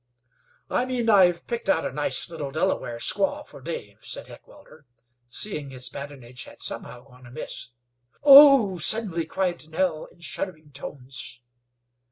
"I mean I've picked out a nice little Delaware squaw for Dave," said Heckewelder, seeing his badinage had somehow gone amiss. "Oh h!" suddenly cried Nell, in shuddering tones.